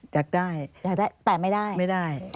อยากได้แต่ไม่ได้ไม่ได้